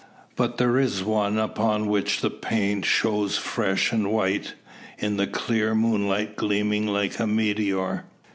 But there is one upon which the paint shows fresh and white; in the clear moonlight gleaming like a meteor.